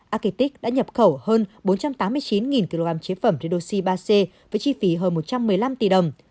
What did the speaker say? akitic đã nhập khẩu hơn bốn trăm tám mươi chín kg chế phẩm redoxi ba c với chi phí hơn một trăm một mươi năm tỷ đồng